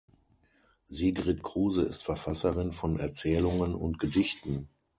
Sigrid Kruse ist Verfasserin von Erzählungen und Gedichten.